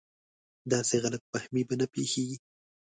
داسې غلط فهمي به نه پېښېږي.